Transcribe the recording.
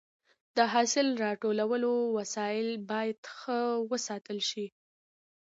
د حاصل راټولولو وسایل باید ښه وساتل شي.